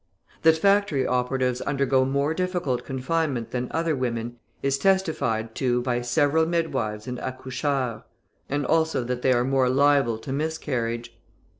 That factory operatives undergo more difficult confinement than other women is testified to by several midwives and accoucheurs, and also that they are more liable to miscarriage.